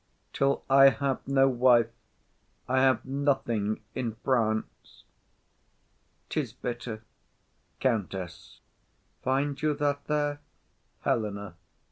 _] Till I have no wife, I have nothing in France. 'Tis bitter. COUNTESS. Find you that there? HELENA.